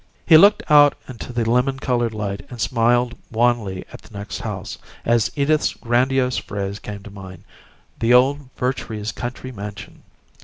He looked out into the lemon colored light and smiled wanly at the next house, as Edith's grandiose phrase came to mind, "the old Vertrees country mansion."